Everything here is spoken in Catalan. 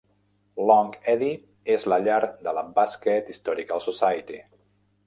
Long Eddy és la llar de la Basket Historical Society.